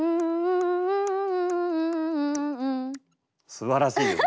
すばらしいですね。